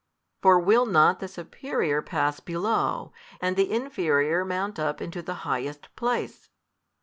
For will not the superior pass below, and the inferior mount up into the highest place?